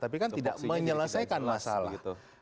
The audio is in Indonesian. tapi kan tidak menyelesaikan masalah